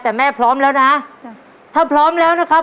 แต่แม่พร้อมแล้วนะจ้ะถ้าพร้อมแล้วนะครับ